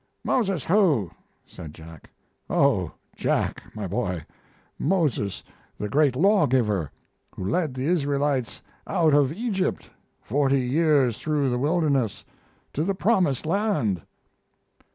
"Moses who!" said Jack. "Oh, Jack, my boy, Moses, the great lawgiver who led the Israelites out of Egypt forty years through the wilderness to the Promised Land."